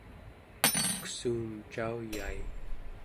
uksuum cauyai